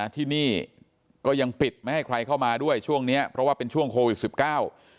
ที่นี่ก็ยังปิดไม่ให้ใครเข้ามาด้วยช่วงเนี้ยเพราะว่าเป็นช่วงโควิดสิบเก้า